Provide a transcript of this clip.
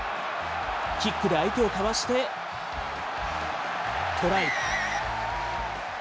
キックで相手をかわして、トライ。